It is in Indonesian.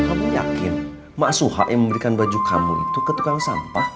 kamu yakin mak suha yang memberikan baju kamu itu ke tukang sampah